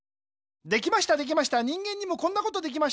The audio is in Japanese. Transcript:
できましたできました人間にもこんなことできました。